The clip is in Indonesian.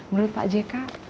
menurut pak jk